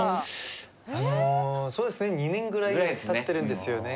そうですね２年ぐらいたってるんですよね。